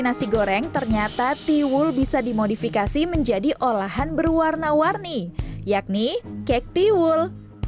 nasi goreng ternyata tiwul bisa dimodifikasi menjadi olahan berwarna warni yakni kek tiwul